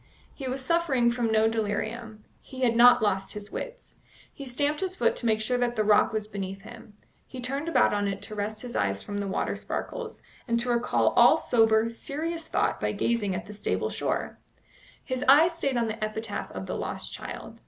He was suffering from no delirium; he had not lost his wits. He stamped his foot to make sure that the rock was beneath him; he turned about on it to rest his eyes from the water sparkles, and to recall all sober, serious thought by gazing at the stable shore. His eye stayed on the epitaph of the lost child.